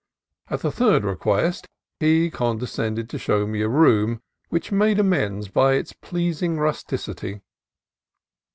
At the third request he condescended to show me to a room, which made amends by its pleasing rusticity.